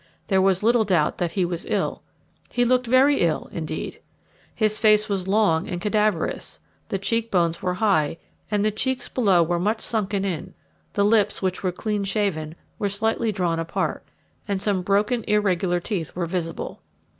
There was little doubt that he was ill he looked very ill, indeed. His face was long and cadaverous, the cheek bones were high, and the cheeks below were much sunken in; the lips, which were clean shaven, were slightly drawn apart, and some broken irregular teeth were visible.